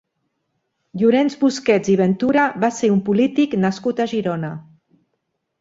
Llorenç Busquets i Ventura va ser un polític nascut a Girona.